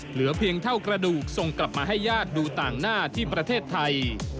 เหลือเพียงเท่ากระดูกส่งกลับมาให้ญาติดูต่างหน้าที่ประเทศไทย